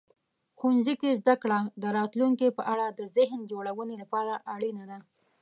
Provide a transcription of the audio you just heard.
ښوونځي کې زده کړه د راتلونکي په اړه د ذهن جوړونې لپاره اړینه ده.